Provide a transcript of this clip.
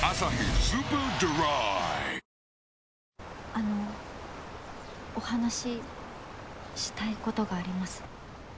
あのお話ししたいことがあります。